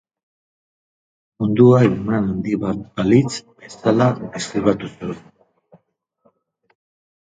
Mundua iman handi bat balitz bezala deskribatu zuen.